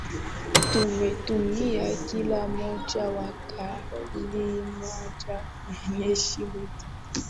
tumetumia kila moja Wakati mmoja mwendeshaji wetu